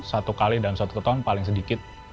satu kali dalam satu keton paling sedikit